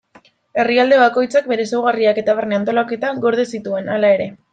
Herrialde bakoitzak bere ezaugarriak eta barne-antolaketa gorde zituen, hala ere.